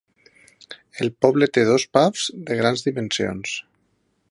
El poble té dos pubs de grans dimensions.